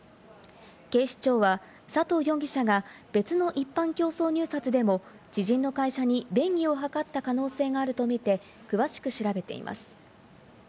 警視庁は佐藤容疑者が別の一般競争入札でも、知人の会社に便宜を図った可能性があるとみて詳しく調べています。